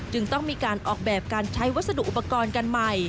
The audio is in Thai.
ต้องมีการออกแบบการใช้วัสดุอุปกรณ์กันใหม่